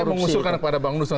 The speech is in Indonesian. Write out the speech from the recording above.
saya mengusulkan kepada bang nusron